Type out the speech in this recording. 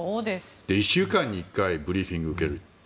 １週間に１回ブリーフィングを受ける。